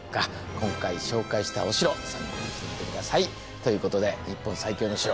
今回紹介したお城参考にしてみて下さい。ということで「日本最強の城」今回は高知城でした。